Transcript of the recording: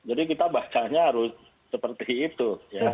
jadi kita bacanya harus seperti itu